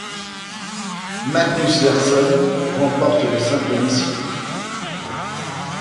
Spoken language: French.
Magnus Larsson remporte le simple messieurs.